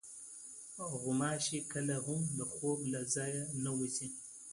غوماشې کله هم د خوب له ځایه نه وځي.